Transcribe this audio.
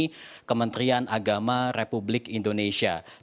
pemerintah adalah pemerintah yang berpengalaman untuk menetapkan awal ramadan dan awal shawwal